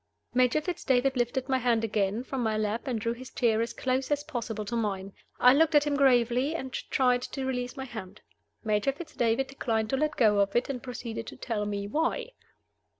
Major Fitz David lifted my hand again from my lap and drew his chair as close as possible to mine. I looked at him gravely and tried to release my hand. Major Fitz David declined to let go of it, and proceeded to tell me why.